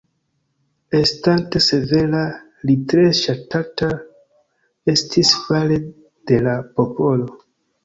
Estante severa li tre ŝatata estis fare de la popolo.